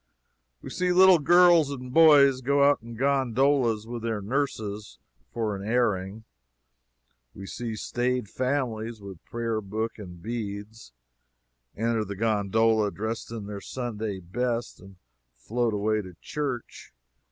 We see little girls and boys go out in gondolas with their nurses, for an airing. We see staid families, with prayer book and beads, enter the gondola dressed in their Sunday best, and float away to church.